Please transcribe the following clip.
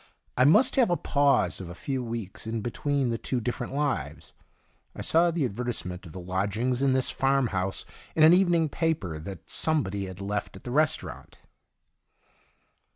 I must have a pause of a few weeks in between the two different lives. I saw the advertise ment of the lodgings in this farm house in an evening paper that somebody had left at the restaurant.